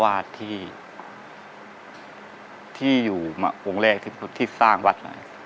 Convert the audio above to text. ว่าที่ที่อยู่หวงแรกที่สร้างวัด